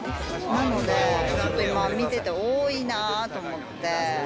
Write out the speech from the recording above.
なので、ちょっと今、見てて多いなーと思って。